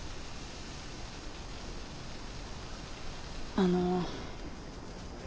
あの。